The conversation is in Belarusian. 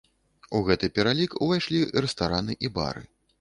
У гэты пералік увайшлі рэстараны і бары.